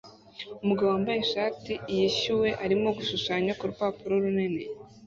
Umugabo wambaye ishati yishyuwe arimo gushushanya ku rupapuro runini